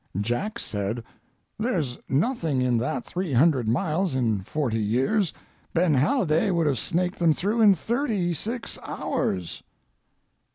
Jack said: "There's nothin' in that three hundred miles in forty years. Ben Halliday would have snaked 'em through in thirty—six hours."